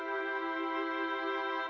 oh ini dong